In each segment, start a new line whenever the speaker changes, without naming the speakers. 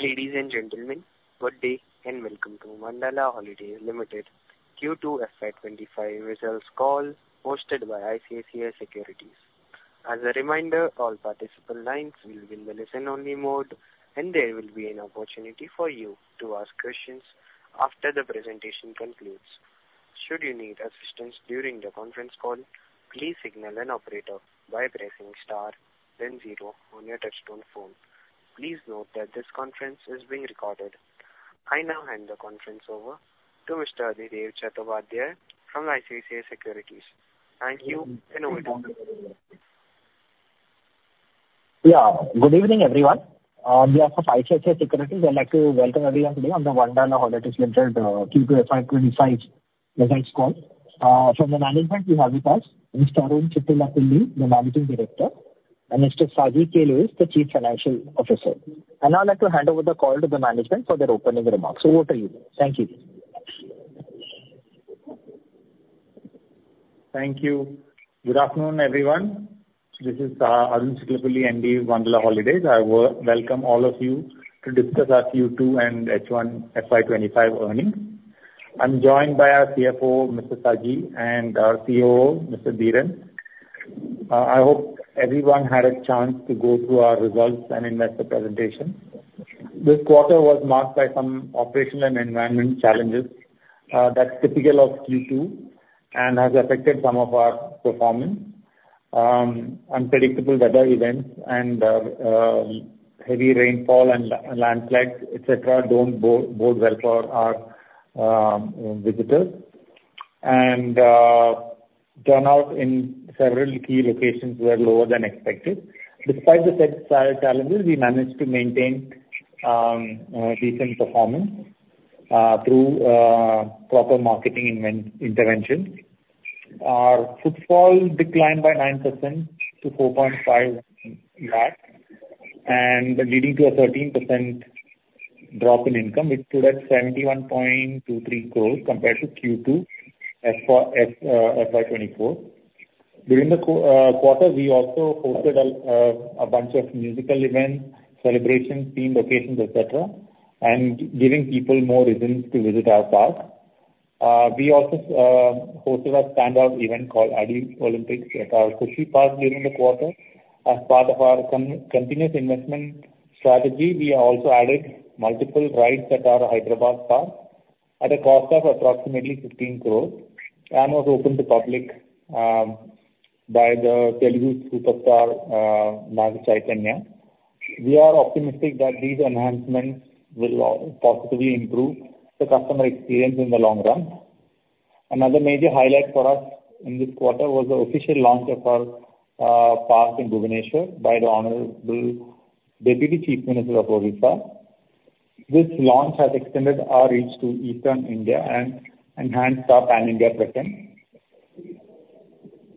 Ladies and gentlemen, good day and welcome to Wonderla Holidays Limited Q2 FY25 results call hosted by ICICI Securities. As a reminder, all participant lines will be in the listen-only mode, and there will be an opportunity for you to ask questions after the presentation concludes. Should you need assistance during the conference call, please signal an operator by pressing star, then zero on your touch-tone phone. Please note that this conference is being recorded. I now hand the conference over to Mr. Adhidev Chattopadhyay from ICICI Securities. Thank you and over to you.
Yeah, good evening, everyone. We are from ICICI Securities. I'd like to welcome everyone today on the Wonderla Holidays Limited Q2 FY25 results call. From the management, we have with us Mr. Arun Chittilappilly, the Managing Director, and Mr. Saji Louiz, the Chief Financial Officer. And I'd like to hand over the call to the management for their opening remarks. Over to you. Thank you.
Thank you. Good afternoon, everyone. This is Arun Chittilappilly from Wonderla Holidays. I welcome all of you to discuss our Q2 and H1 FY25 earnings. I'm joined by our CFO, Mr. Saji, and our COO, Mr. Dheeran. I hope everyone had a chance to go through our results and review the presentation. This quarter was marked by some operational and environmental challenges that are typical of Q2 and have affected some of our performance. Unpredictable weather events and heavy rainfall and landslides, etc., don't bode well for our visitors. And turnout in several key locations were lower than expected. Despite the sales challenges, we managed to maintain decent performance through proper marketing interventions. Our footfall declined by 9% to 4.5 lakhs, leading to a 13% drop in income, which stood at 71.23 crores compared to Q2 FY24. During the quarter, we also hosted a bunch of musical events, celebrations, themed occasions, etc., giving people more reasons to visit our park. We also hosted a standout event called Adipolympics at our Kochi park during the quarter. As part of our continuous investment strategy, we also added multiple rides at our Hyderabad park at a cost of approximately 15 crores and was opened to the public by the Telugu superstar Naga Chaitanya. We are optimistic that these enhancements will positively improve the customer experience in the long run. Another major highlight for us in this quarter was the official launch of our park in Bhubaneswar by the Honorable Deputy Chief Minister of Odisha. This launch has extended our reach to Eastern India and enhanced our pan-India presence.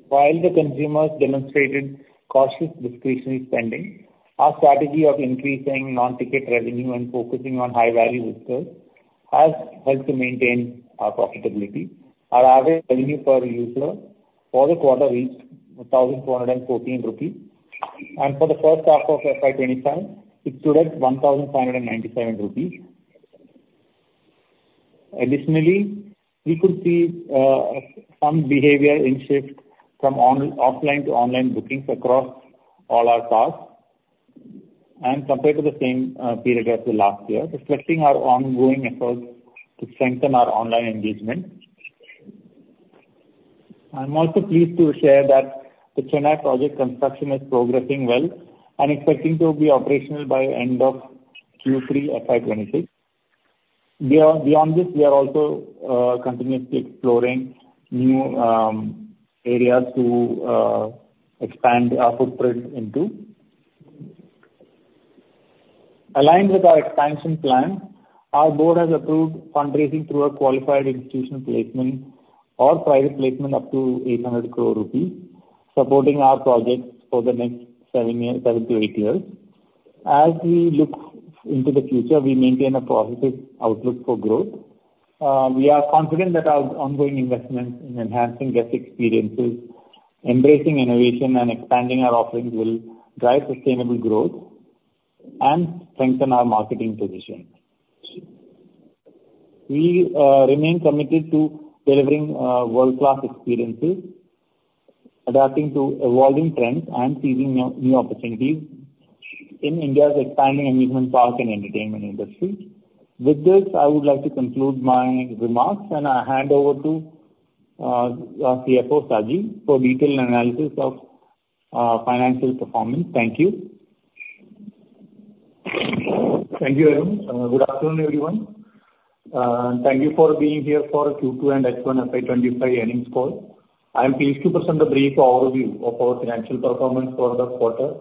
While the consumers demonstrated cautious discretionary spending, our strategy of increasing non-ticket revenue and focusing on high-value resources has helped to maintain our profitability. Our average revenue per user for the quarter reached 1,414 rupees, and for the H1 of FY25, it stood at 1,597 rupees. Additionally, we could see some behavior in shift from offline to online bookings across all our parks compared to the same period as the last year, reflecting our ongoing efforts to strengthen our online engagement. I'm also pleased to share that the Chennai project construction is progressing well and expecting to be operational by the end of Q3 FY26. Beyond this, we are also continuously exploring new areas to expand our footprint into. Aligned with our expansion plan, our board has approved fundraising through a qualified institutional placement or private placement up to 800 crore rupees, supporting our projects for the next seven to eight years. As we look into the future, we maintain a positive outlook for growth. We are confident that our ongoing investments in enhancing guest experiences, embracing innovation, and expanding our offerings will drive sustainable growth and strengthen our marketing position. We remain committed to delivering world-class experiences, adapting to evolving trends, and seizing new opportunities in India's expanding amusement park and entertainment industry. With this, I would like to conclude my remarks, and I hand over to our CFO, Saji, for detailed analysis of financial performance. Thank you.
Thank you, Arun. Good afternoon, everyone. Thank you for being here for Q2 and H1 FY25 earnings call. I am pleased to present a brief overview of our financial performance for the quarter.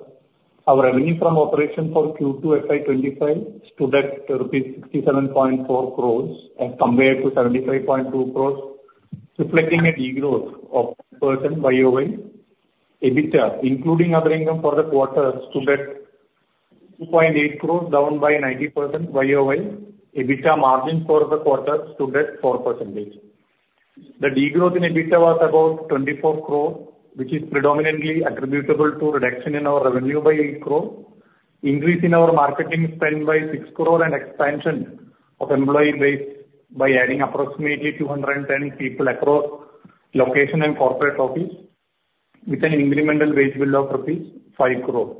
Our revenue from operations for Q2 FY25 stood at rupees 67.4 crores as compared to 75.2 crores, reflecting a degrowth of 10% YOY. EBITDA, including other income for the quarter, stood at 2.8 crores, down by 90% YOY. EBITDA margin for the quarter stood at 4%. The degrowth in EBITDA was about 24 crore, which is predominantly attributable to a reduction in our revenue by 8 crore, increase in our marketing spend by 6 crore, and expansion of employee base by adding approximately 210 people across location and corporate office, with an incremental wage bill of rupees 5 crore.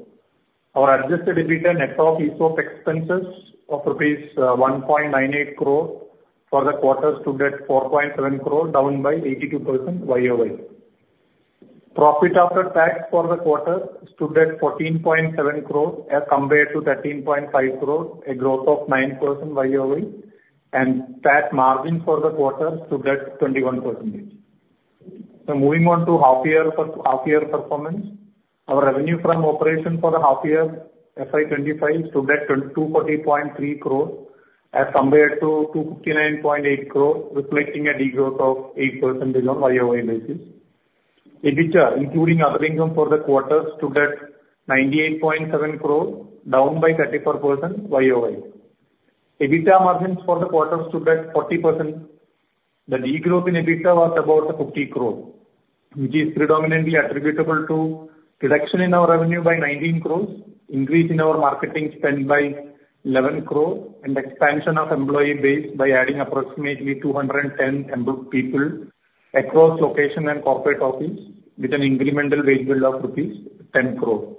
Our adjusted EBITDA net of ESOP expenses of rupees 1.98 crore for the quarter stood at 4.7 crore, down by 82% YOY. Profit after tax for the quarter stood at 14.7 crore as compared to 13.5 crore, a growth of 9% YOY, and tax margin for the quarter stood at 21%. So moving on to half-year performance, our revenue from operations for the half-year FY25 stood at 240.3 crore as compared to 259.8 crore, reflecting a degrowth of 8% YOY basis. EBITDA, including other income for the quarter, stood at 98.7 crore, down by 34% YOY. EBITDA margins for the quarter stood at 40%. The degrowth in EBITDA was about 50 crore, which is predominantly attributable to a reduction in our revenue by 19 crore, increase in our marketing spend by 11 crore, and expansion of employee base by adding approximately 210 people across location and corporate office, with an incremental wage bill of rupees 10 crore.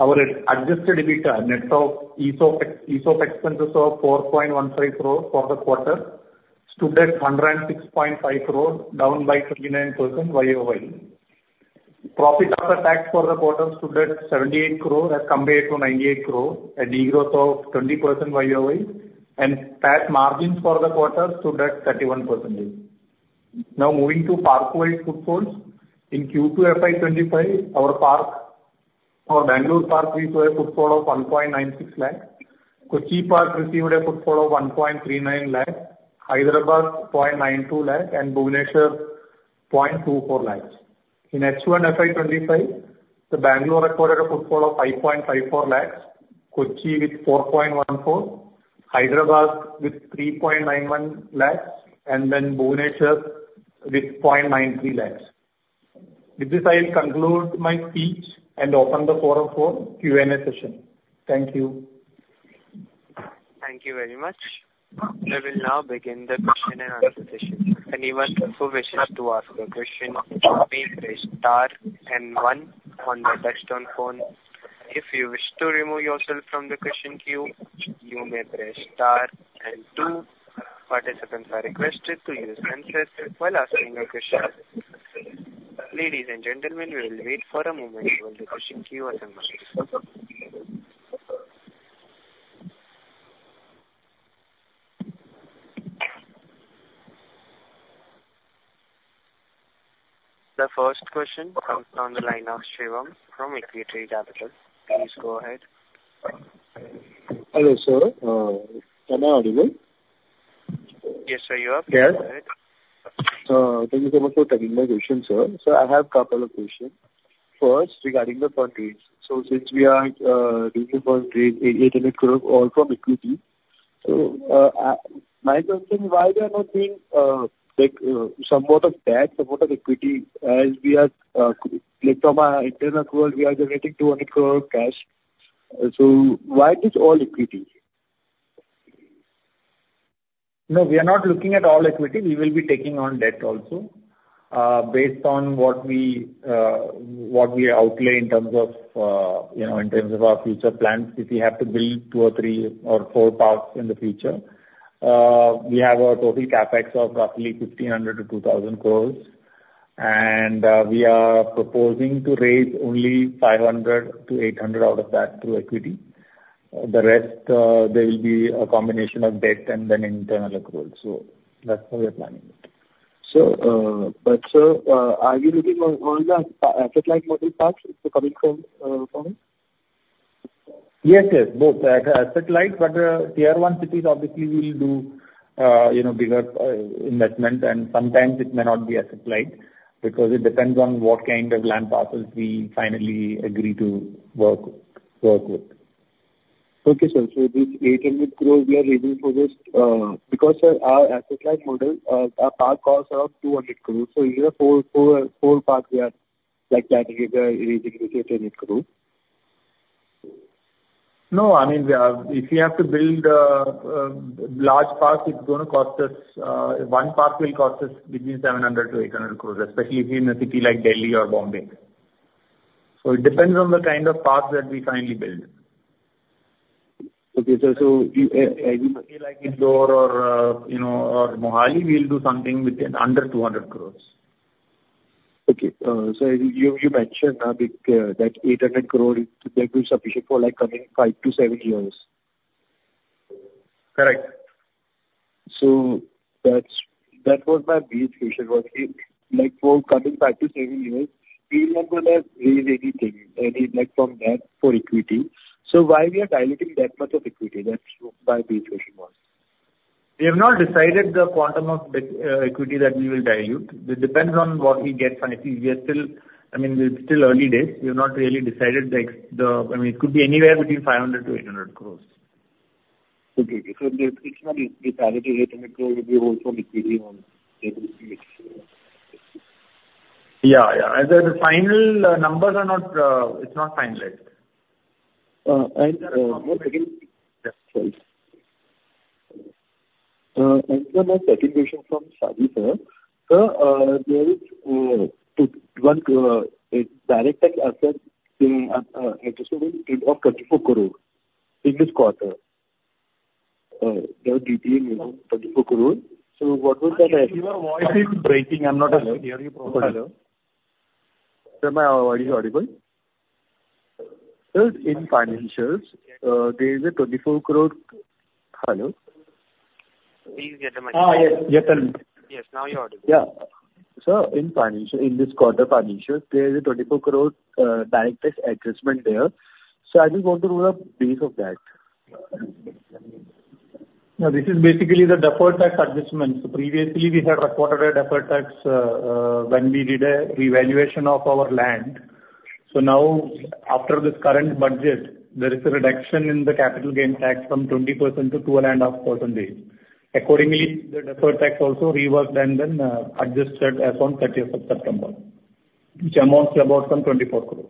Our adjusted EBITDA net of ESOP expenses of 4.15 crore for the quarter stood at 106.5 crore, down by 39% YOY. Profit after tax for the quarter stood at 78 crore as compared to 98 crore, a degrowth of 20% YOY, and tax margins for the quarter stood at 31%. Now moving to park-wide footfalls. In Q2 FY25, our park or Bangalore Park received a footfall of 1.96 lakhs. Kochi Park received a footfall of 1.39 lakhs, Hyderabad 0.92 lakhs, and Bhubaneswar 0.24 lakhs. In H1 FY25, the Bangalore recorded a footfall of 5.54 lakhs, Kochi with 4.14, Hyderabad with 3.91 lakhs, and then Bhubaneswar with 0.93 lakhs. With this, I will conclude my speech and open the floor for Q&A session. Thank you.
Thank you very much. We will now begin the question and answer session. Anyone who wishes to ask a question may press star and one on the touch-tone phone. If you wish to remove yourself from the question queue, you may press star and two. Participants are requested to use handsets while asking a question. Ladies and gentlemen, we will wait for a moment while the question queue is unloaded. The first question comes from the line of Shivam from Equitree Capital. Please go ahead. Hello, sir. Am I audible?
Yes, sir, you are.
Yes.
Go ahead. Thank you so much for taking my question, sir. So I have a couple of questions. First, regarding the fundraising. So since we are doing the fundraise, it is all from equity. So my concern is why we are not doing somewhat of that, somewhat of equity as we are from our internal accruals, we are generating 200 crore of cash. So why is this all equity?
No, we are not looking at all equity. We will be taking on debt also based on what we outlay in terms of our future plans. If we have to build two or three or four parks in the future, we have a total CapEX of roughly 1,500 crores-2,000 crores, and we are proposing to raise only 500-800 out of that through equity. The rest, there will be a combination of debt and then internal accrual. So that's how we are planning it. So, but sir, are you looking at all the asset-light model parks coming from? Yes, yes, both asset light, but tier one cities obviously will do bigger investment, and sometimes it may not be asset light because it depends on what kind of land parcels we finally agree to work with. Okay, sir. So these 800 crores we are raising for this. Because, sir, our asset-like model, our park costs around 200 crores. So in your four parks, we are like planning if we are raising this 800 crores. No, I mean, if we have to build large parks, it's going to cost us one park will cost us between 700 to 800 crores, especially if you're in a city like Delhi or Bombay. So it depends on the kind of park that we finally build. Okay, sir, so you are thinking like. Indore or Mohali, we'll do something within under 200 crores. Okay. So you mentioned that 800 crore, that will suffice for coming five to seven years. Correct. So that was my base question was for coming five to seven years, we will not going to raise anything from that for equity. So why we are diluting that much of equity? That's my base question was. We have not decided the quantum of equity that we will dilute. It depends on what we get financially. We are still, I mean, it's still early days. We have not really decided the, I mean, it could be anywhere between 500 to 800 crores. Okay. So it's not decided to 800 crores if we hold some equity on. Yeah, yeah. And then the final numbers are not, it's not finalized. One more second. Sorry. And then my second question from Saji, sir. Sir, there is one Direct Tax asset adjusted of INR 24 crore in this quarter. The detail around INR 24 crore. So what was that?
Your voice is breaking. I'm not hearing you properly. Hello. Sir, is my audio audible? Sir, in financials, there is a 24 crore. Hello? Please get the mic. Oh, yes, you're telling me. Yes, now you're audible. Yeah. Sir, in financials, in this quarter financials, there is 24 crore direct tax adjustment there. So I just want to know the base of that. Now, this is basically the deferred tax adjustment. So previously, we had recorded a deferred tax when we did a revaluation of our land. So now, after this current budget, there is a reduction in the capital gain tax from 20% to 2.5%. Accordingly, the deferred tax also reworked and then adjusted as on 30 September, which amounts to about some 24 crore.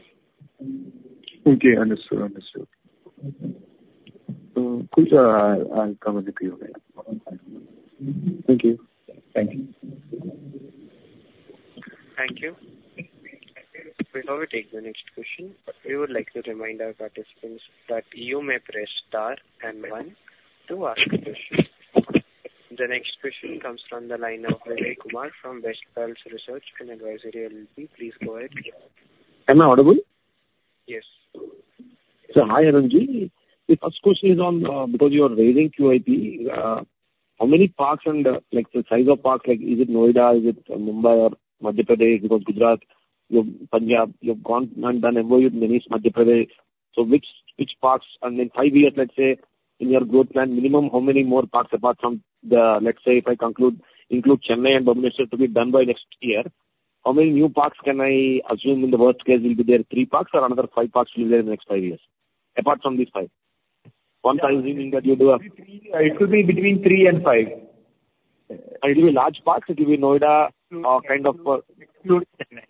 Okay, understood, understood. Cool, sir. I'll come with the Q&A. Thank you. Thank you.
Thank you. Before we take the next question, we would like to remind our participants that you may press star and one to ask a question. The next question comes from the line of Vivek Kumar from BestPals Research and Advisory LLP. Please go ahead.
Am I audible?
Yes.
Sir, hi, Arun. The first question is on because you are raising QIP, how many parks and the size of parks, like is it Noida, is it Mumbai or Madhya Pradesh because Gujarat, you have Punjab, you have gone and done MOU with Madhya Pradesh Tourism Board. So which parks, and in five years, let's say in your growth plan, minimum how many more parks apart from the, let's say if I conclude include Chennai and Bombay to be done by next year, how many new parks can I assume in the worst case will be there three parks or another five parks will be there in the next five years apart from these five? One time assuming that you do a.
It will be between three and five.
It will be large parks? It will be Noida kind of?
Excluding Chennai.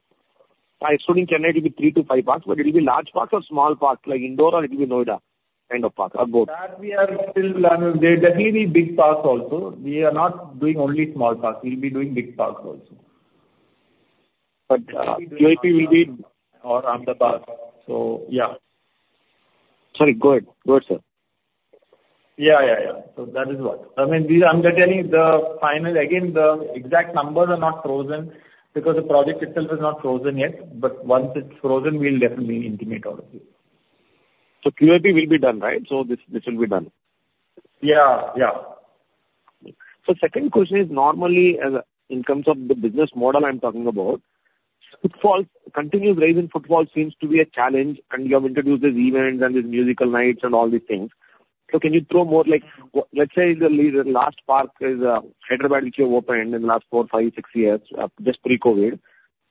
Excluding Chennai, it will be three to five parks, but it will be large parks or small parks like Indore or it will be Noida kind of park or both?
We are still, I mean, there definitely be big parks also. We are not doing only small parks. We will be doing big parks also.
But QIP will be.
Or Ahmedabad.
So yeah. Sorry, go ahead. Go ahead, sir.
So that is what. I mean, I'm just telling the final, again, the exact numbers are not frozen because the project itself is not frozen yet, but once it's frozen, we'll definitely intimate all of you.
So QIP will be done, right? So this will be done.
Yeah, yeah.
So second question is normally in terms of the business model I'm talking about, continuous raising footfall seems to be a challenge, and you have introduced these events and these musical nights and all these things. So can you throw more light, let's say the last park is Hyderabad, which you have opened in the last four, five, six years, just pre-COVID,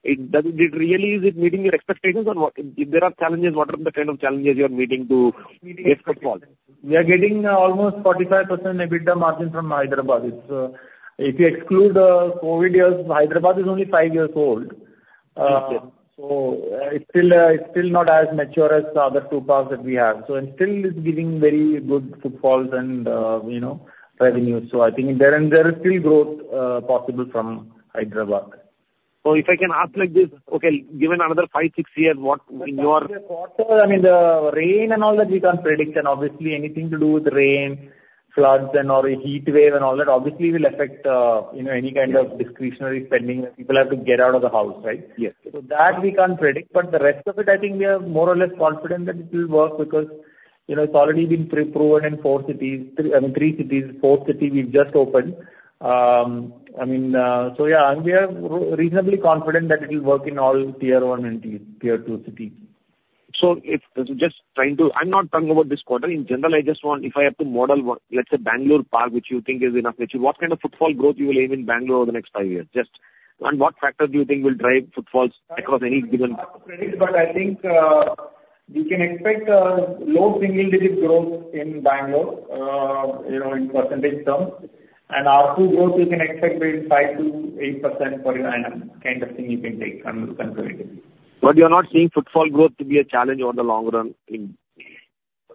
did it really meet your expectations or what? If there are challenges, what are the kind of challenges you are meeting to raise footfall?
We are getting almost 45% EBITDA margin from Hyderabad. If you exclude COVID years, Hyderabad is only five years old. So it's still not as mature as other two parks that we have. So it's still giving very good footfalls and revenues. So I think there is still growth possible from Hyderabad.
So if I can ask like this, okay, given another five, six years, what in your?
I mean, the rain and all that we can't predict. And obviously, anything to do with rain, floods, and or a heat wave and all that obviously will affect any kind of discretionary spending that people have to get out of the house, right?
Yes.
So that we can't predict, but the rest of it, I think we are more or less confident that it will work because it's already been proven in four cities. I mean, three cities, four cities we've just opened. I mean, so yeah, we are reasonably confident that it will work in all tier one and tier two cities.
I'm not talking about this quarter. In general, I just want, if I have to model, let's say Bangalore Park, which you think is enough, what kind of footfall growth you will aim in Bangalore over the next five years? Just on what factors do you think will drive footfalls across any given?
But I think you can expect low single-digit growth in Bangalore in percentage terms. And R2 growth, you can expect maybe 5% to 8% for your kind information. You can take it on the conservative.
But you are not seeing footfall growth to be a challenge over the long run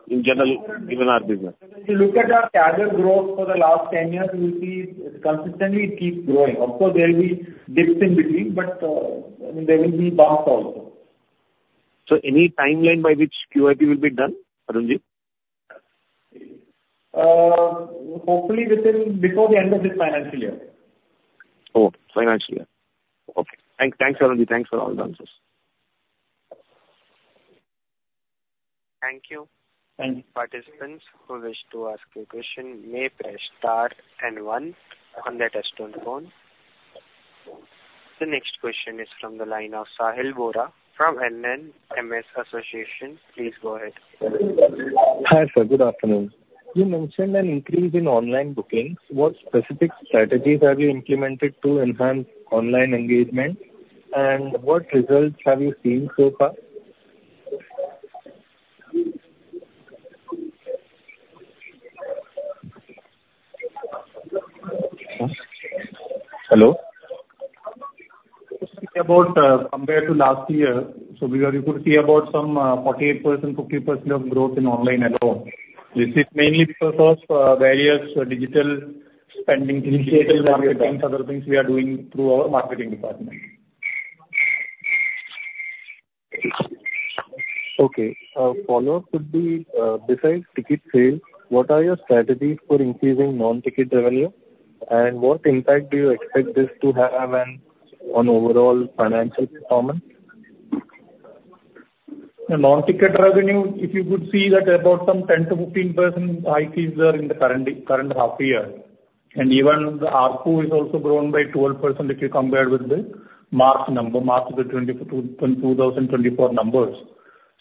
in general, given our business?
If you look at our CAGR for the last 10 years, you will see it consistently keeps growing. Of course, there will be dips in between, but there will be bumps also.
So any timeline by which QIP will be done, Arunji?
Hopefully, before the end of this financial year.
Oh, financial year. Okay. Thanks, Arunji. Thanks for all the answers.
Thank you.
Thank you.
Participants who wish to ask a question may press star and one on the touch-tone phone. The next question is from the lineu of Sahil Bhura from [inadible]. Please go ahead. Hi sir, good afternoon. You mentioned an increase in online bookings. What specific strategies have you implemented to enhance online engagement, and what results have you seen so far? Hello?
Compared to last year, so you could see about some 48% to 50% of growth in online alone. Is it mainly because of various digital spending, digital marketing, other things we are doing through our marketing department? Okay. Follow-up would be, besides ticket sales, what are your strategies for increasing non-ticket revenue, and what impact do you expect this to have on overall financial performance? Non-ticket revenue, if you could see that about some 10% to 15% increase is in the current half year. And even the ARPU is also grown by 12% if you compare with the March number, March 2024 numbers.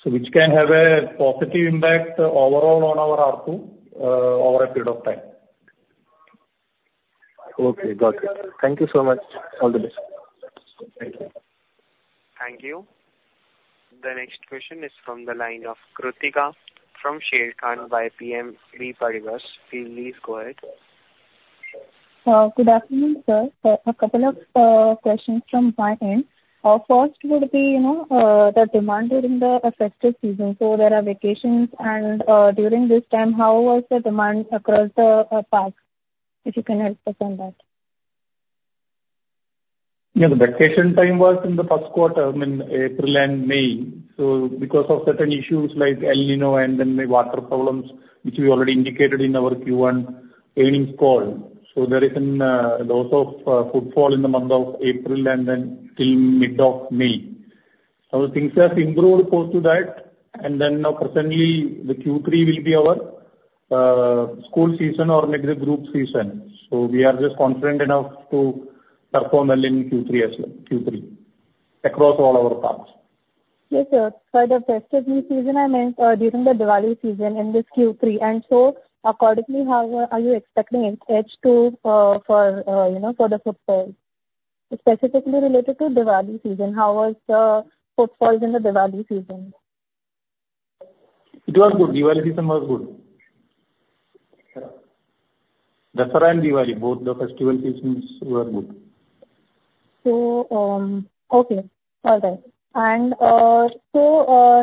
So which can have a positive impact overall on our ARPU over a period of time. Okay, got it. Thank you so much. All the best. Thank you.
Thank you. The next question is from the line of Krittika from Sharekhan by BNP Paribas. Please go ahead. Good afternoon, sir. A couple of questions from my end. First would be the demand during the festive season. So there are vacations, and during this time, how was the demand across the park? If you can help us on that.
Yeah, the vacation time was in the Q1, I mean, April and May, so because of certain issues like El Niño and then the water problems, which we already indicated in our Q1 earnings call, so there is a lot of footfall in the month of April and then till mid of May, so things have improved post to that, and then now presently, the Q3 will be our school season or next group season, so we are just confident enough to perform well in Q3 as well, Q3, across all our parks. Yes, sir. For the festive season, I meant during the Diwali season in this Q3 and so accordingly, how are you expecting EBITDA for the footfall? Specifically related to Diwali season, how was the footfall in the Diwali season? It was good. Diwali season was good. Dussehra and Diwali, both the festival seasons were good. Okay. All right.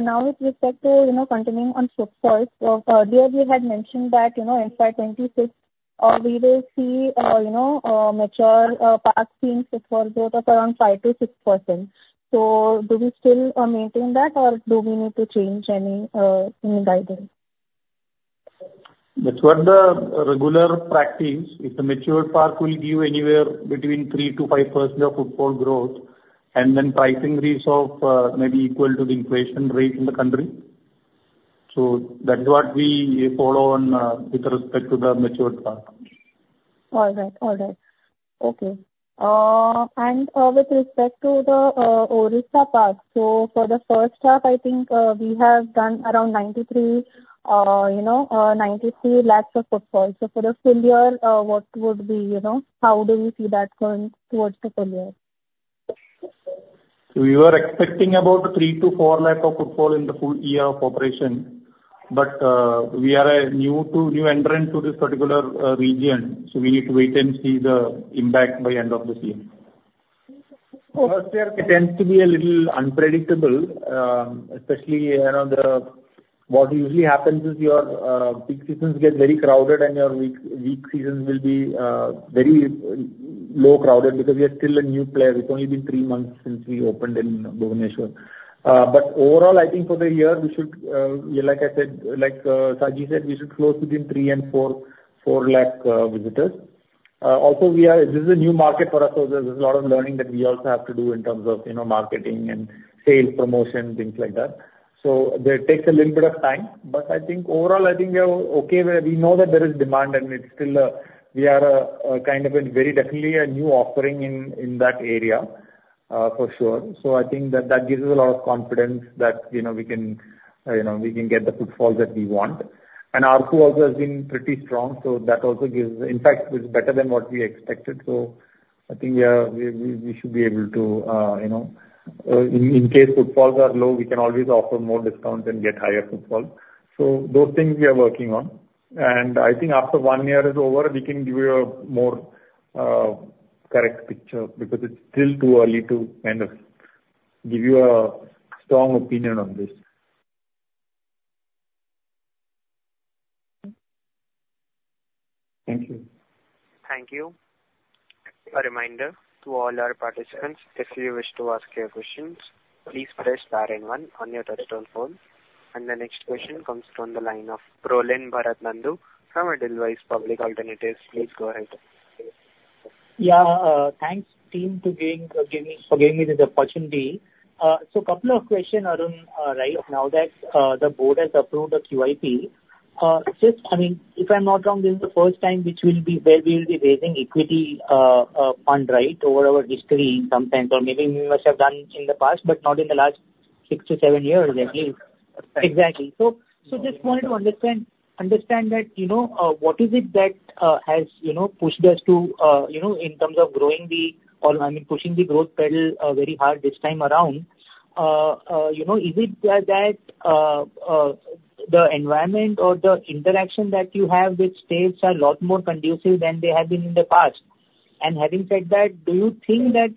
Now with respect to continuing on footfall, earlier we had mentioned that in 2026, we will see mature parks being footfall growth of around 5% to 6%. Do we still maintain that, or do we need to change any guidance? That's what the regular practice is, if the mature park will give anywhere between 3% to 5% footfall growth, and then pricing rates of maybe equal to the inflation rate in the country. So that's what we follow on with respect to the mature park. All right. All right. Okay. And with respect to the Odisha Park, so for the H1, I think we have done around 93 lakhs of footfall. So for the full year, what would be, how do we see that going towards the full year?
So we were expecting about three to four lakhs of footfall in the full year of operation. But we are a new entrant to this particular region. So we need to wait and see the impact by end of the season.
First year, it tends to be a little unpredictable, especially what usually happens is your peak seasons get very crowded, and your weak seasons will be very low crowded because we are still a new player. It's only been three months since we opened in Bhubaneswar. But overall, I think for the year, we should, like I said, like Saji said, we should close within three and four lakh visitors. Also, this is a new market for us, so there's a lot of learning that we also have to do in terms of marketing and sales promotion, things like that. So it takes a little bit of time. But I think overall, I think we are okay. We know that there is demand, and we are kind of very definitely a new offering in that area, for sure. So I think that that gives us a lot of confidence that we can get the footfall that we want. And Q2 also has been pretty strong, so that also gives, in fact, it's better than what we expected. So I think we should be able to, in case footfall is low, we can always offer more discounts and get higher footfall. So those things we are working on. And I think after one year is over, we can give you a more correct picture because it's still too early to kind of give you a strong opinion on this. Thank you.
Thank you. A reminder to all our participants, if you wish to ask your questions, please press star and one on your touch-tone phone. And the next question comes from the line of Prolin Bharat Nandu from Edelweiss Alternatives. Please go ahead.
Yeah. Thanks, team, for giving me this opportunity. So a couple of questions, Arun, right? Now that the board has approved the QIP, just, I mean, if I'm not wrong, this is the first time which we will be raising equity fund, right, over our history in some sense, or maybe we must have done in the past, but not in the last six to seven years, at least. Exactly. So just wanted to understand that what is it that has pushed us to, in terms of growing the, I mean, pushing the growth pedal very hard this time around? Is it that the environment or the interaction that you have with states are a lot more conducive than they have been in the past? Having said that, do you think that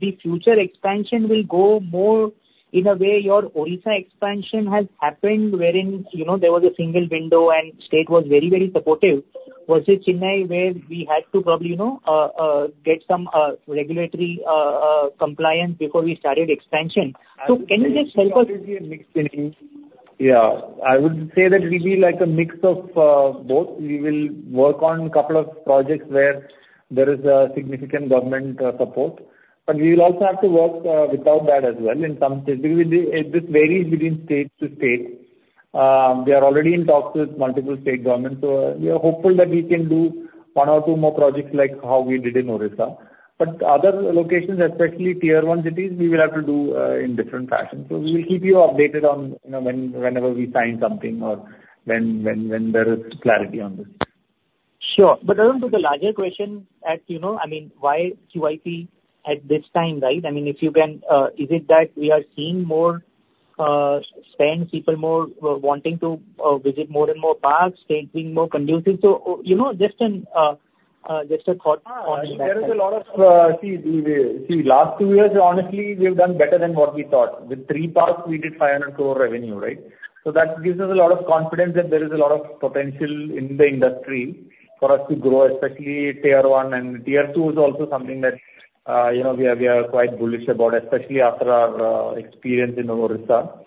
the future expansion will go more in a way your Odisha expansion has happened wherein there was a single window and state was very, very supportive versus Chennai where we had to probably get some regulatory compliance before we started expansion? So can you just help us?
Yeah. I would say that we'll be like a mix of both. We will work on a couple of projects where there is significant government support. But we will also have to work without that as well in some states because this varies between state to state. We are already in talks with multiple state governments. So we are hopeful that we can do one or two more projects like how we did in Odisha. But other locations, especially tier one cities, we will have to do in different fashions. We will keep you updated whenever we sign something or when there is clarity on this.
Sure. But Arun, with the larger question, I mean, why QIP at this time, right? I mean, if you can, is it that we are seeing more spend, people more wanting to visit more and more parks, states being more conducive? So just a thought on that.
There is a lot of. See, last two years, honestly, we have done better than what we thought. With three parks, we did 500 crore revenue, right? So that gives us a lot of confidence that there is a lot of potential in the industry for us to grow, especially tier one. And tier two is also something that we are quite bullish about, especially after our experience in Odisha.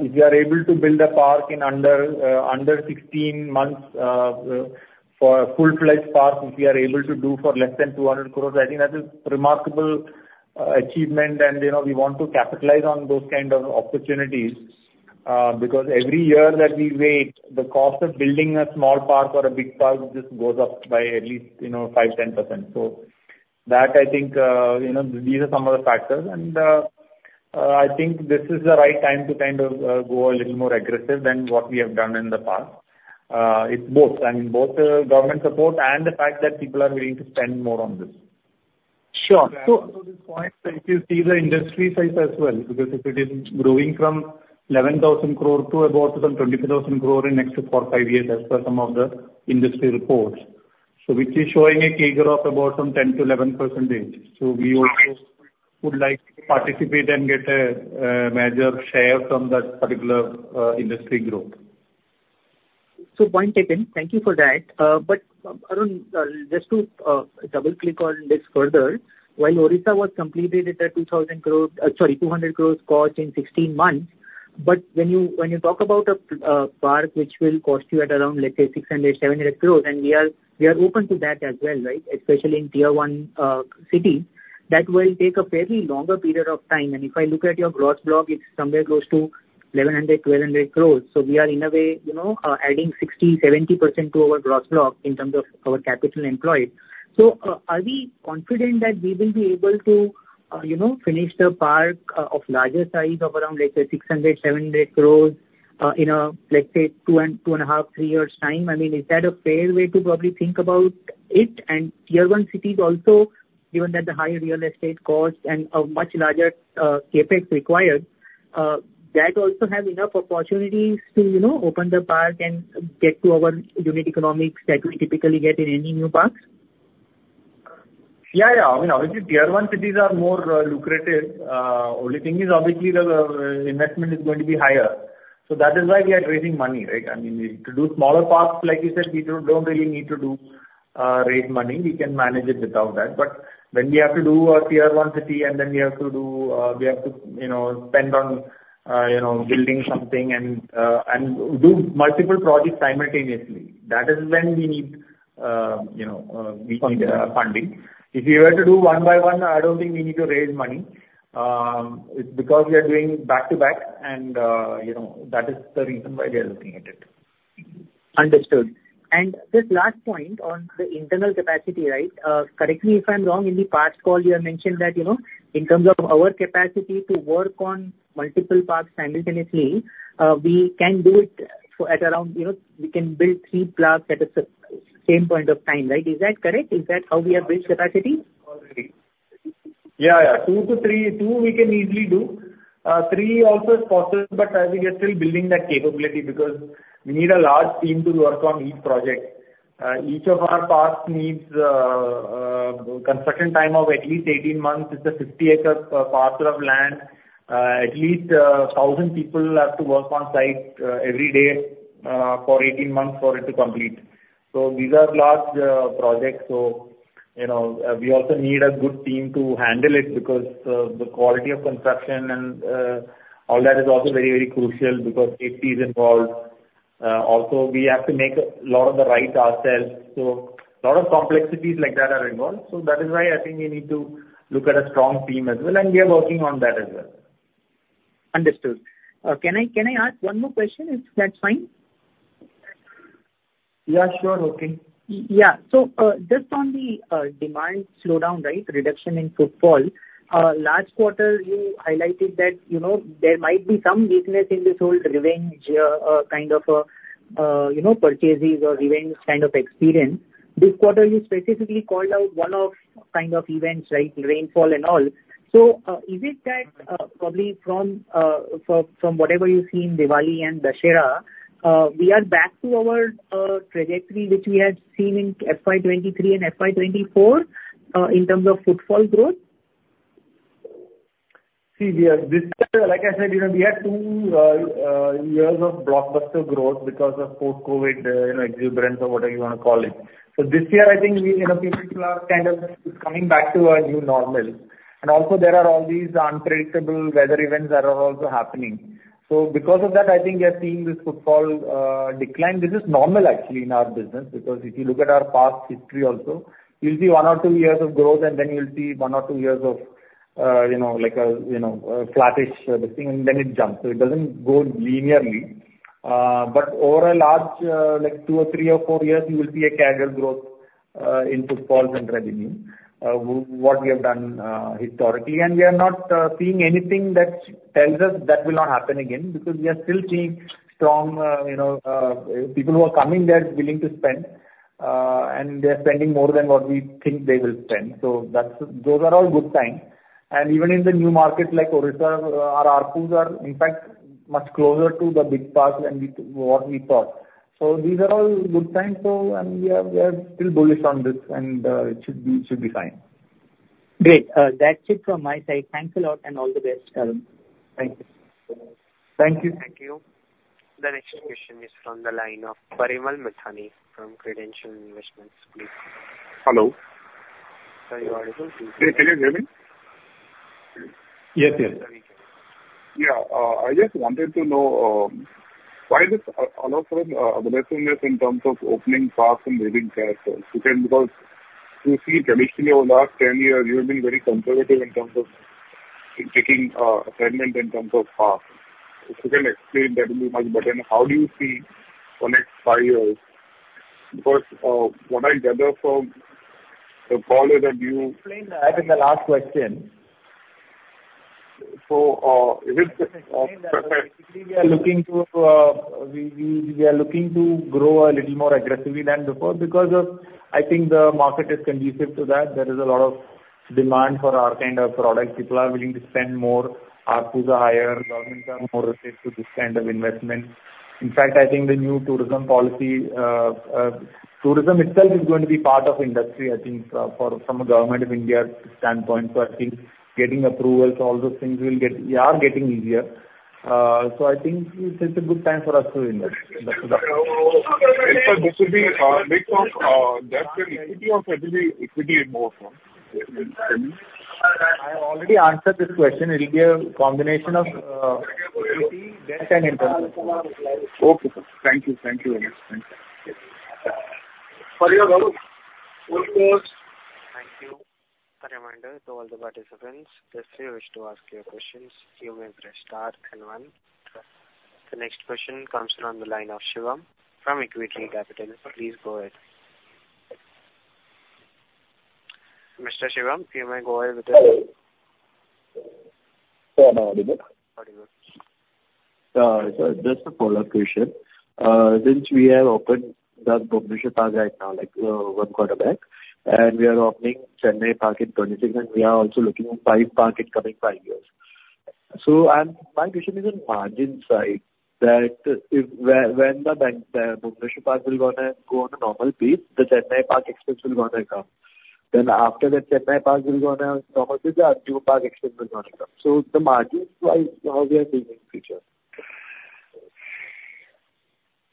If we are able to build a park in under 16 months for a full-fledged park, if we are able to do for less than 200 crore, I think that is a remarkable achievement. And we want to capitalize on those kind of opportunities because every year that we wait, the cost of building a small park or a big park just goes up by at least 5% to 10%. So that, I think, these are some of the factors. I think this is the right time to kind of go a little more aggressive than what we have done in the past. It's both, I mean, both the government support and the fact that people are willing to spend more on this.
Sure.
So at this point, if you see the industry size as well, because if it is growing from 11,000 crore to about some 25,000 crore in next to four, five years as per some of the industry reports, so which is showing a key growth of about some 10% to 11%. So we also would like to participate and get a major share from that particular industry growth.
So point taken. Thank you for that. But Arun, just to double-click on this further, while Odisha was completed at a 200 crore cost in 16 months, but when you talk about a park which will cost you at around, let's say, 600 crore-700 crore, and we are open to that as well, right, especially in tier one cities, that will take a fairly longer period of time. And if I look at your gross block, it's somewhere close to 1,100-1,200 crore. So we are in a way adding 60% to 70% to our gross block in terms of our capital employed. So are we confident that we will be able to finish the park of larger size of around, let's say, 600-700 crore in a, let's say, two and a half, three years' time? I mean, is that a fair way to probably think about it? And tier one cities also, given that the higher real estate cost and a much larger CapEX required, that also have enough opportunities to open the park and get to our unit economics that we typically get in any new parks?
Yeah, yeah. I mean, obviously, tier one cities are more lucrative. Only thing is, obviously, the investment is going to be higher. So that is why we are raising money, right? I mean, to do smaller parks, like you said, we don't really need to raise money. We can manage it without that. But when we have to do a tier one city and then we have to do, we have to spend on building something and do multiple projects simultaneously, that is when we need funding. If we were to do one by one, I don't think we need to raise money. It's because we are doing back to back, and that is the reason why we are looking at it.
Understood. And this last point on the internal capacity, right? Correct me if I'm wrong. In the past call, you have mentioned that in terms of our capacity to work on multiple parks simultaneously, we can do it at around, we can build three plots at the same point of time, right? Is that correct? Is that how we have built capacity?
Yeah, yeah. Two to three, two we can easily do. Three also is possible, but we are still building that capability because we need a large team to work on each project. Each of our parks needs construction time of at least 18 months. It's a 50acre parcel of land. At least 1,000 people have to work on site every day for 18 months for it to complete. So these are large projects. So we also need a good team to handle it because the quality of construction and all that is also very, very crucial because safety is involved. Also, we have to make a lot of the rides ourselves. So a lot of complexities like that are involved. So that is why I think we need to look at a strong team as well. And we are working on that as well.
Understood. Can I ask one more question if that's fine?
Yeah, sure. Okay.
Yeah. So just on the demand slowdown, right, reduction in footfall, last quarter, you highlighted that there might be some weakness in this whole revenge kind of purchases or revenge kind of experience. This quarter, you specifically called out one-off kind of events, right, rainfall and all. So is it that probably from whatever you see in Diwali and Dussehra, we are back to our trajectory which we had seen in FY23 and FY24 in terms of footfall growth?
See, like I said, we had two years of blockbuster growth because of post-COVID exuberance or whatever you want to call it. So this year, I think people are kind of coming back to a new normal. And also, there are all these unpredictable weather events that are also happening. So because of that, I think we are seeing this footfall decline. This is normal, actually, in our business because if you look at our past history also, you'll see one or two years of growth, and then you'll see one or two years of like a flattish thing, and then it jumps. So it doesn't go linearly. But over a large, like two or three or four years, you will see a CAGR growth in footfalls and revenue, what we have done historically. And we are not seeing anything that tells us that will not happen again because we are still seeing strong people who are coming there willing to spend, and they're spending more than what we think they will spend. So those are all good signs. And even in the new markets like Odisha, our ARPUs are, in fact, much closer to the big parks than what we thought. So these are all good signs. So we are still bullish on this, and it should be fine.
Great. That's it from my side. Thanks a lot and all the best, Arun.
Thank you.
Thank you. The next question is from the line of Parimal Mithani from Credential Investments, please.
Hello. Are you all able to? Can you hear me?
Yes, yes.
Yeah. I just wanted to know why this allows for aggressiveness in terms of opening parks and hiring characters. Because you see, traditionally, over the last 10 years, you have been very conservative in terms of expansion in terms of parks. If you can explain that a little more, but then how do you see the next five years? Because what I gather from the call is that you.
Explain that. That is the last question.
So if it's a perfect.
We are looking to grow a little more aggressively than before because I think the market is conducive to that. There is a lot of demand for our kind of products. People are willing to spend more. ARPU's are higher. Governments are more ready to do this kind of investment. In fact, I think the new tourism policy, tourism itself is going to be part of industry, I think, from a Government of India standpoint, so I think getting approvals, all those things will get easier, we are getting easier, so I think it's a good time for us to invest.
So this would be a mix of debt and equity or equity in both?
I already answered this question. It will be a combination of equity, debt, and interest.
Okay. Thank you very much.
Thank you, Parimal, to all the participants. Just if you wish to ask your questions, you may press star and one. The next question comes from the line of Shivam from Equitree Capital. Please go ahead. Mr. Shivam, you may go ahead with this. Sir, I'm audible? Audible. So just a follow-up question. Since we have opened the Bhubaneswar Park right now, like one quarter back, and we are opening Chennai Park in 2026, and we are also looking at five parks in coming five years. So my question is on margin side that when the Bhubaneswar Park will go on a normal pace, the Chennai Park expense will come down. Then after that, Chennai Park will go on a normal pace, the Bhubaneswar Park expense will come down. So the margins wise, how we are seeing in the future?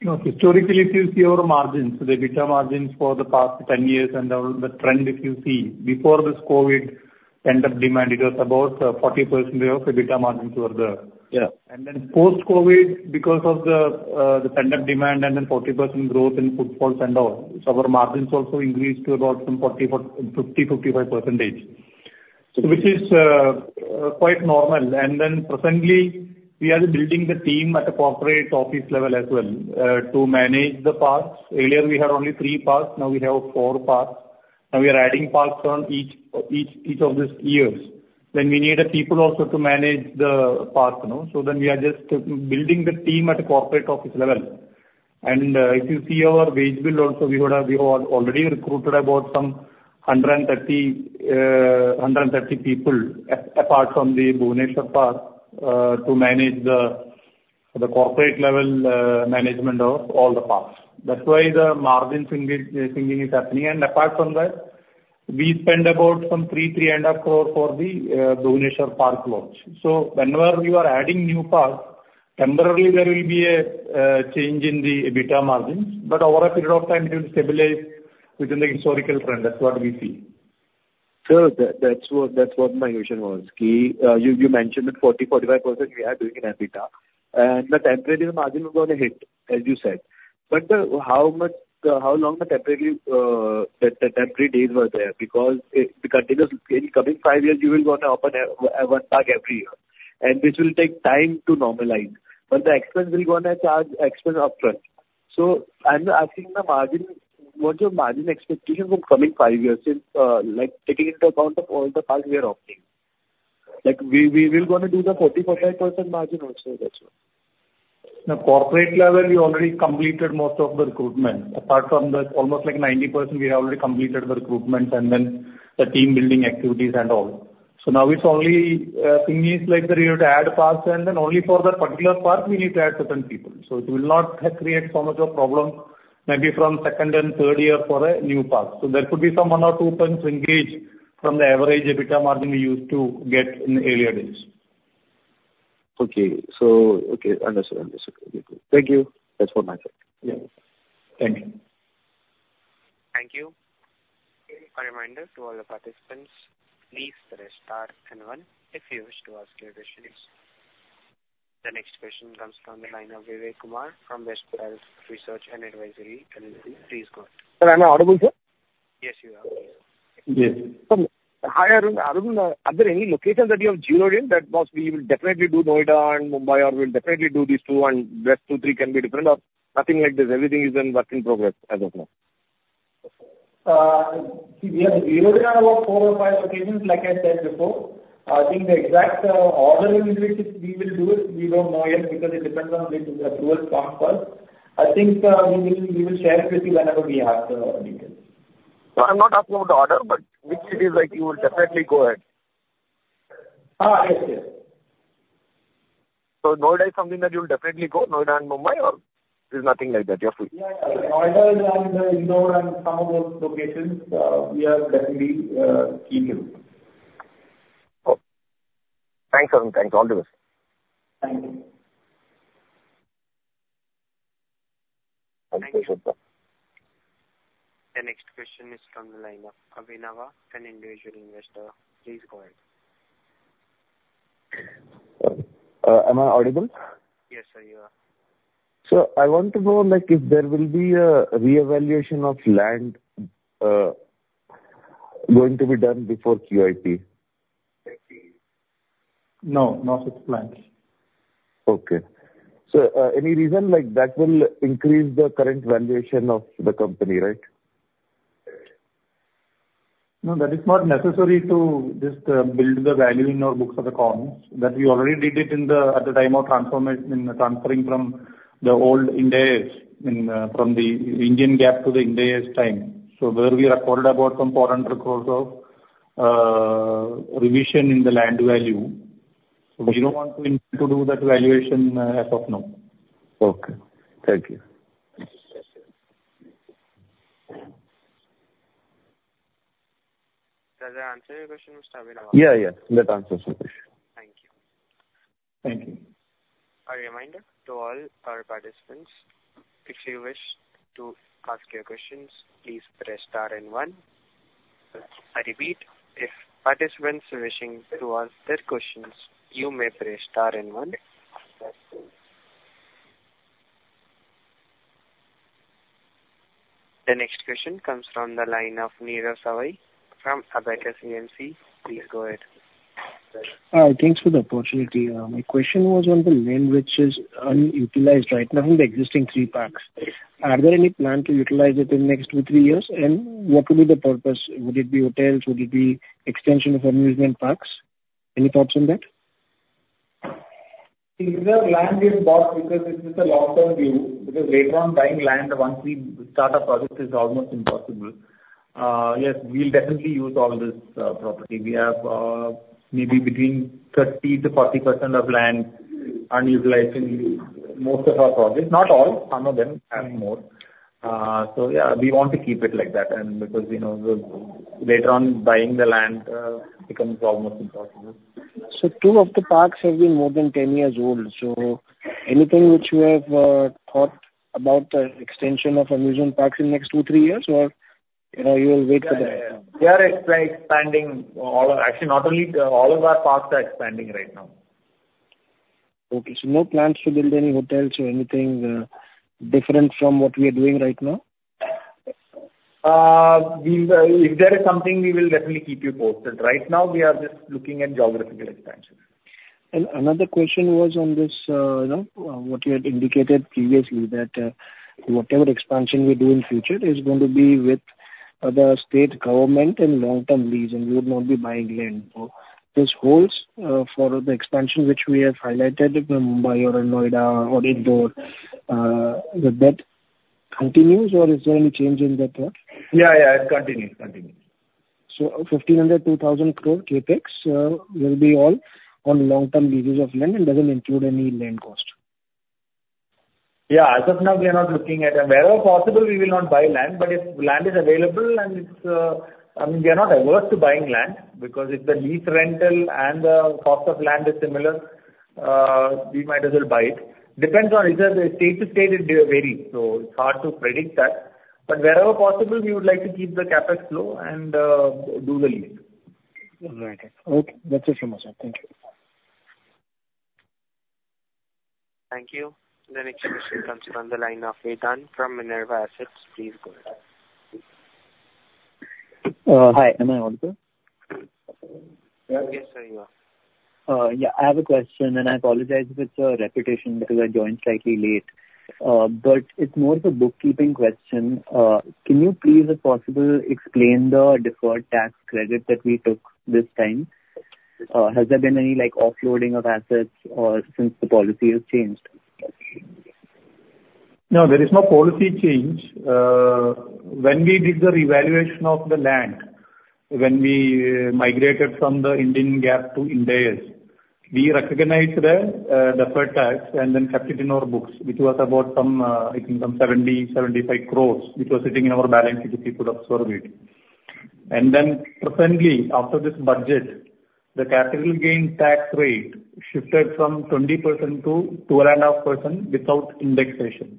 Okay. Historically, if you see our margins, the EBITDA margins for the past 10 years and the trend, if you see, before this COVID, pent-up demand, it was about 40% EBITDA margins were there. And then post-COVID, because of the pent-up demand and then 40% growth in footfalls and all, so our margins also increased to about some 40%, 50%, 55%, which is quite normal. And then presently, we are building the team at a corporate office level as well to manage the parks. Earlier, we had only three parks. Now we have four parks. Now we are adding parks in each of these years. Then we need people also to manage the parks. So then we are just building the team at a corporate office level. If you see our wage bill also, we have already recruited about some 130 people apart from the Bhubaneswar Park to manage the corporate level management of all the parks. That's why the margin thinking is happening. Apart from that, we spend about some three, three and a half crore for the Bhubaneswar Park launch. So whenever you are adding new parks, temporarily, there will be a change in the EBITDA margins, but over a period of time, it will stabilize within the historical trend. That's what we see. Sir, that's what my question was. You mentioned that 40% to 45% we are doing in EBITDA, and the EBITDA margin will take a hit, as you said. But how long the temporary phase will be there? Because in coming five years, you will go on to open one park every year, and this will take time to normalize. But the expense will go on a charge expense upfront. So I'm asking the margin, what's your margin expectation for coming five years taking into account all the parks we are opening? We will go on to do the 40% to 45% margin also, that's all. the corporate level, we already completed most of the recruitment. Apart from almost like 90%, we have already completed the recruitment and then the team-building activities and all. So now it's only a thing is like the year to add parks, and then only for the particular park, we need to add certain people. So it will not create so much of a problem, maybe from second and third year for a new park. So there could be some one or two points to engage from the average EBITDA margin we used to get in earlier days. Okay. Understood. Thank you. That's all my side. Thank you.
Thank you. A reminder to all the participants, please press star and one if you wish to ask your questions. The next question comes from the line of Vivek Kumar from BestPals Research and Advisory. Please go ahead.
Am I audible, sir?
Yes, you are.
Yes. Hi, Arun. Arun, are there any locations that you have zeroed in that we will definitely do Noida and Mumbai, or we will definitely do these two, and the last two, three can be different, or nothing like this? Everything is work in progress as of now.
We have zeroed in about four or five locations, like I said before. I think the exact order in which we will do it, we don't know yet because it depends on which approval comes first. I think we will share it with you whenever we have the details.
So I'm not asking about the order, but which it is like you will definitely go ahead?
Yes, yes.
So Noida is something that you will definitely go, Noida and Mumbai, or there's nothing like that? You are free?
Yeah. Noida and some of those locations, we are definitely keen to do.
Thanks, Arun. Thanks. All the best.
Thank you.
The next question is from the line of Abhinav, an individual investor. Please go ahead. Am I audible? Yes, sir, you are. Sir, I want to know if there will be a re-evaluation of land going to be done before QIP?
No. No such plans. Okay. So any reason that will increase the current valuation of the company, right? No, that is not necessary to just build the value in our books of accounts. That we already did it at the time of transferring from the old Ind AS, from the Indian GAAP to the Ind AS time. So where we recorded about some INR 400 crores of revision in the land value. So we don't want to do that valuation as of now. Okay. Thank you.
Does that answer your question, Mr. Abhinav? Yeah, yeah. That answers my question. Thank you. Thank you. A reminder to all our participants, if you wish to ask your questions, please press star and one. I repeat, if participants wishing to ask their questions, you may press star and one. The next question comes from the line of Neeraj Savai from Abakkus Asset Manager. Please go ahead.
Hi. Thanks for the opportunity. My question was on the land which is unutilized right now in the existing three parks. Are there any plans to utilize it in the next two, three years? And what would be the purpose? Would it be hotels? Would it be extension of amusement parks? Any thoughts on that?
The land is bought because it's a long-term view. Because later on, buying land once we start a project is almost impossible. Yes, we'll definitely use all this property. We have maybe between 30% to 40% of land unutilized in most of our projects. Not all. Some of them have more. So yeah, we want to keep it like that, and because later on, buying the land becomes almost impossible.
Two of the parks have been more than 10 years old. Anything which you have thought about the extension of amusement parks in the next two, three years, or you will wait for the next one?
They are expanding. Actually, not only all of our parks are expanding right now.
Okay, so no plans to build any hotels or anything different from what we are doing right now?
If there is something, we will definitely keep you posted. Right now, we are just looking at geographical expansion.
And another question was on this, what you had indicated previously, that whatever expansion we do in the future is going to be with the state government and long-term lease, and we would not be buying land. So this holds for the expansion which we have highlighted, Mumbai or Noida or Indore. Would that continue, or is there any change in that?
Yeah, yeah. It continues. Continues.
So 1,500 crore-INR2,000 crore CapEX will be all on long-term leases of land and doesn't include any land cost?
Yeah. As of now, we are not looking at them. Wherever possible, we will not buy land. But if land is available and it's, I mean, we are not averse to buying land because if the lease rental and the cost of land is similar, we might as well buy it. Depends on either the state to state, it varies. So it's hard to predict that. But wherever possible, we would like to keep the CapEX low and do the lease.
All right. Okay. That's it from my side. Thank you.
Thank you. The next question comes from the line of Hiten from Minerva Assets. Please go ahead. Hi. Am I audible? Yes, sir, you are. Yeah. I have a question, and I apologize if it's a repetition because I joined slightly late. But it's more of a bookkeeping question. Can you please, if possible, explain the deferred tax credit that we took this time? Has there been any offloading of assets since the policy has changed?
No, there is no policy change. When we did the re-evaluation of the land, when we migrated from the Indian GAAP to Ind AS, we recognized the deferred tax and then kept it in our books, which was about, I think, some 70 crores-75 crores, which was sitting in our balance sheet if you could observe it, and then presently, after this budget, the capital gain tax rate shifted from 20% to 2.5% without indexation.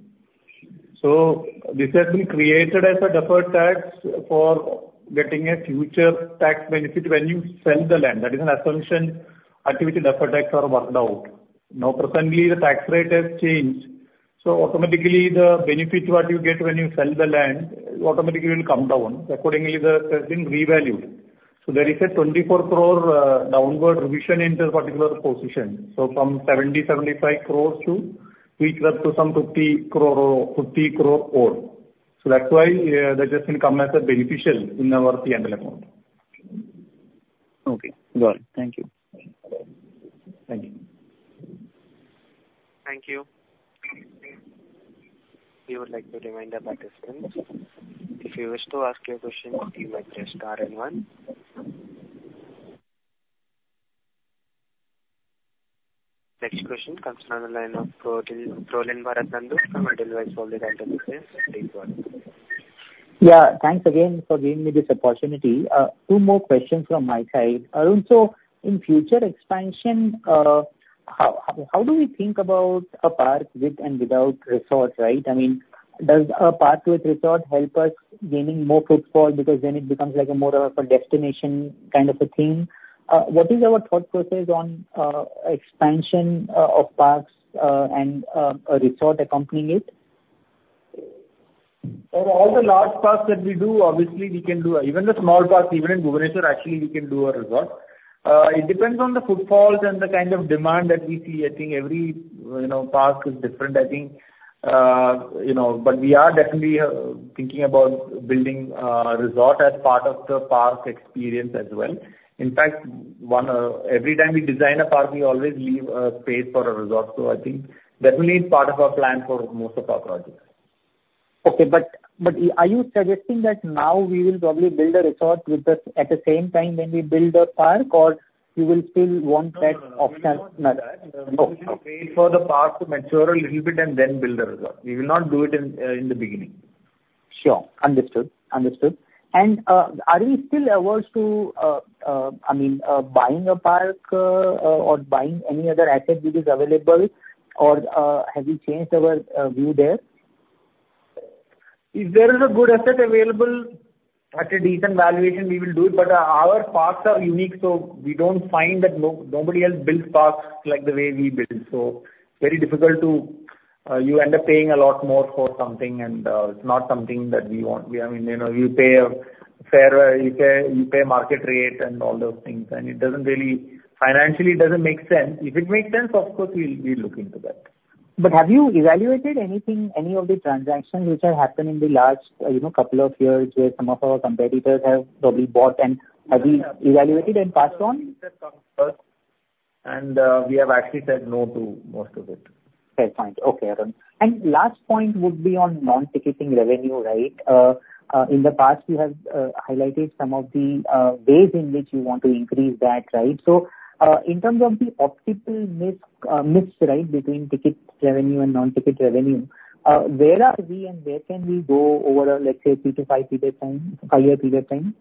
So this has been created as a deferred tax for getting a future tax benefit when you sell the land. That is an assumption until the deferred tax is worked out. Now, presently, the tax rate has changed. So automatically, the benefit what you get when you sell the land automatically will come down accordingly. It has been re-valued. So there is a 24 crore downward revision in the particular position. So from 70 crore-75 crores to reach up to some 50 crore or so. So that's why that has come as a benefit in our P&L account. Okay. Got it. Thank you. Thank you.
Thank you. We would like to remind the participants, if you wish to ask your question, you may press star and one. Next question comes from the line of Prolin Bharat Nandu from Edelweiss Alternatives. Please go ahead.
Yeah. Thanks again for giving me this opportunity. Two more questions from my side. Arun, so in future expansion, how do we think about a park with and without resort, right? I mean, does a park with resort help us gaining more footfall because then it becomes like more of a destination kind of a thing? What is our thought process on expansion of parks and a resort accompanying it?
All the large parks that we do, obviously, we can do. Even the small parks, even in Bhubaneswar, actually, we can do a resort. It depends on the footfalls and the kind of demand that we see. I think every park is different, I think. But we are definitely thinking about building a resort as part of the park experience as well. In fact, every time we design a park, we always leave space for a resort. So I think definitely it's part of our plan for most of our projects.
Okay. But are you suggesting that now we will probably build a resort at the same time when we build a park, or you will still want that option?
No. We will wait for the park to mature a little bit and then build a resort. We will not do it in the beginning.
Sure. Understood. And are we still averse to, I mean, buying a park or buying any other asset which is available, or have we changed our view there?
If there is a good asset available at a decent valuation, we will do it. But our parks are unique, so we don't find that nobody else builds parks like the way we build. So very difficult to you end up paying a lot more for something, and it's not something that we want. I mean, you pay a fair market rate and all those things, and it doesn't really financially, it doesn't make sense. If it makes sense, of course, we'll be looking to that.
But have you evaluated anything, any of the transactions which have happened in the last couple of years where some of our competitors have probably bought, and have you evaluated and passed on?
And we have actually said no to most of it.
Okay. Fine. Okay, Arun. And last point would be on non-ticket revenue, right? In the past, you have highlighted some of the ways in which you want to increase that, right? So in terms of the optimal mix, right, between ticket revenue and non-ticket revenue, where are we and where can we go over, let's say, three- to five-year period time?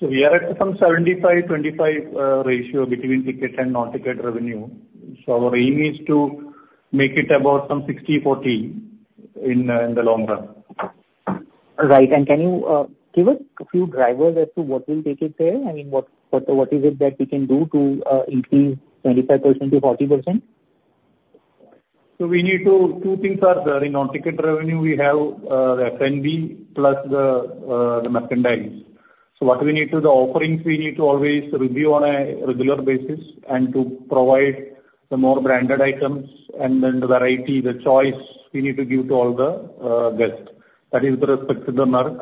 So we are at some 75-25 ratio between ticket and non-ticket revenue. So our aim is to make it about some 60-40 in the long run.
Right. And can you give us a few drivers as to what will take it there? I mean, what is it that we can do to increase 25% to 40%?
So, two things are there. In non-ticket revenue, we have the F&B plus the merchandise. So, what we need to the offerings, we need to always review on a regular basis and to provide the more branded items and then the variety, the choice we need to give to all the guests. That is with respect to the merch.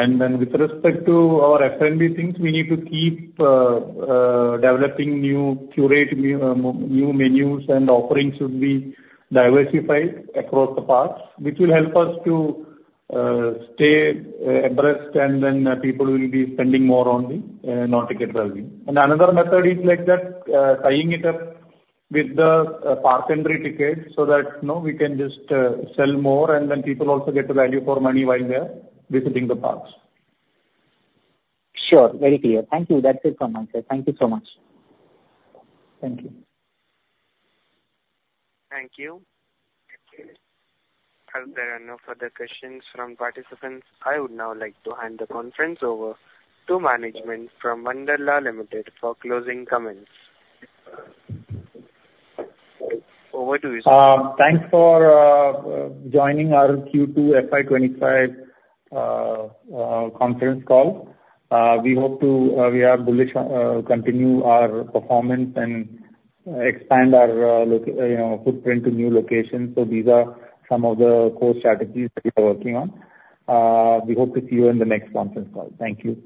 And then with respect to our F&B things, we need to keep developing new curated, new menus, and offerings should be diversified across the parks, which will help us to stay abreast, and then people will be spending more on the non-ticket revenue. And another method is like that, tying it up with the park entry ticket so that we can just sell more, and then people also get the value for money while they're visiting the parks.
Sure. Very clear. Thank you. That's it from my side. Thank you so much.
Thank you.
Thank you. If there are no further questions from participants, I would now like to hand the conference over to management from Wonderla Holidays Limited for closing comments. Over to you, sir.
Thanks for joining our Q2 FY25 conference call. We hope to continue our performance and expand our footprint to new locations. So these are some of the core strategies that we are working on. We hope to see you in the next conference call. Thank you.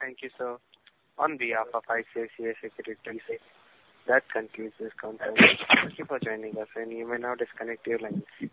Thank you, sir. On behalf of ICICI Securities, that concludes this conference. Thank you for joining us, and you may now disconnect your lines.